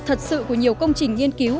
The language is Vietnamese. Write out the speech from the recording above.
thật sự của nhiều công trình nghiên cứu